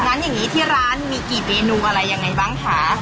งั้นอย่างนี้ที่ร้านมีกี่เมนูอะไรยังไงบ้างคะ